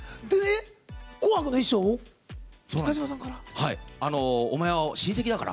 「紅白」の衣装を北島さんから。